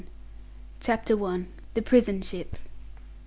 CHAPTER I. THE PRISON SHIP.